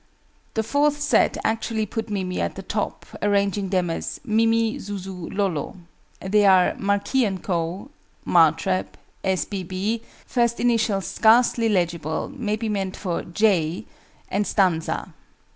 The fourth set actually put Mimi at the top, arranging them as "Mimi, Zuzu, Lolo." They are MARQUIS AND CO., MARTREB, S. B. B. (first initial scarcely legible: may be meant for "J"), and STANZA.